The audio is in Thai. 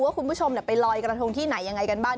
คุณผู้ชมไปลอยกระทงที่ไหนยังไงกันบ้าง